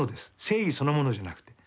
正義そのものじゃなくて。